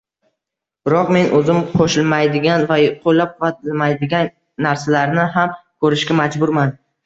Biroq, men oʻzim qoʻshilmaydigan va qoʻllab-quvvatlamaydigan narsalarni ham koʻrishga majburman.